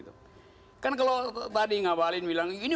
itu kan kalau tadi ngabalin bilang ini